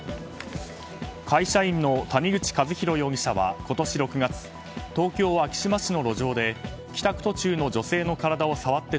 会社員の谷口和裕容疑者は今年６月東京・昭島市の路上で帰宅途中の女性の体を触って、